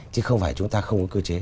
chứ không phải chúng ta không có cơ chế